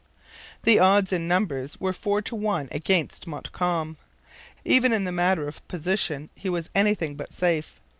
The odds in numbers were four to one against Montcalm. Even in the matter of position he was anything but safe.